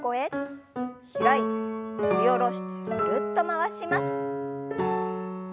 開いて振り下ろしてぐるっと回します。